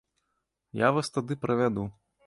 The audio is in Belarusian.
Я вас тады правяду.